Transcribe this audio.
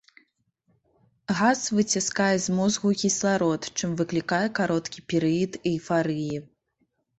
Газ выцясняе з мозгу кісларод, чым выклікае кароткі перыяд эйфарыі.